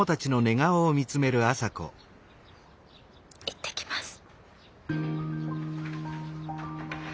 行ってきます。